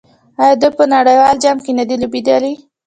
آیا دوی په نړیوال جام کې نه دي لوبېدلي؟